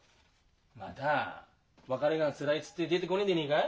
また「別れがつらい」っつって出てこねえんでねえがい？